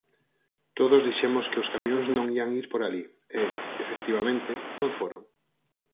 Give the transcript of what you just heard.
Todos dixemos que os camións non ían ir por alí, e, efectivamente, non foron.